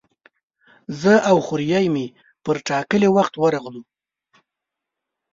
زه او خوریی مې پر ټاکلي وخت ورغلو.